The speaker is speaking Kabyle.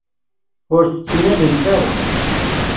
Ur t-ttnalent ara.